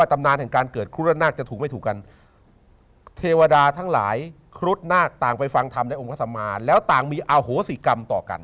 การเกิดครุฏนาคจะถูกไม่ถูกกันเทวดาทั้งหลายครุฏนาคต่างไปฟังธรรมในองค์ศมาแล้วต่างมีอาโหสิกรรมต่อกัน